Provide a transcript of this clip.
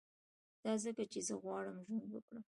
دا ځکه چي زه غواړم ژوند وکړم